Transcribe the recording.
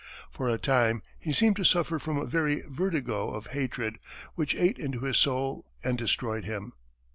For a time he seemed to suffer from a very vertigo of hatred, which ate into his soul and destroyed him.